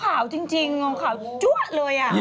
ก็เขาขาวจริงขาวจั๊วดเลย